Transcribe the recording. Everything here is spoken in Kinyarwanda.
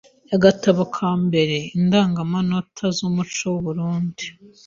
agatabo ka mbere, Indangamanota z’umuco w’u Burunndi